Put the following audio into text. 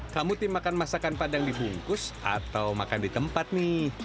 kamu tim makan masakan padang dibungkus atau makan di tempat nih